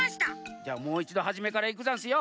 じゃあもういちどはじめからいくざんすよ。